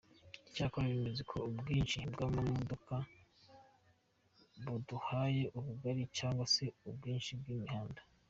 Icyakora bemeza ko ubwinshi bw’amamodoka budahuye n’ubugari cyangwa se ubwinshi bw’imihanda.